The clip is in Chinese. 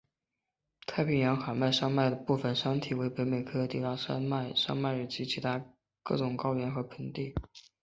太平洋海岸山脉的部分山体为北美科迪勒拉山脉山脉以及其他各种高原和盆地。